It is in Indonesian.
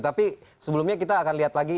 tapi sebelumnya kita akan lihat lagi